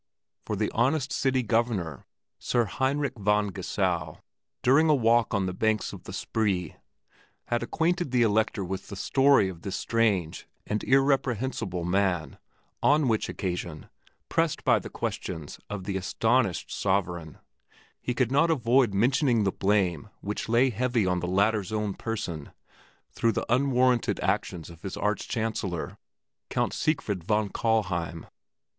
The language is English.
For the honest City Governor, Sir Heinrich von Geusau, during a walk on the banks of the Spree, had acquainted the Elector with the story of this strange and irreprehensible man, on which occasion, pressed by the questions of the astonished sovereign, he could not avoid mentioning the blame which lay heavy upon the latter's own person through the unwarranted actions of his Arch Chancellor, Count Siegfried von Kallheim.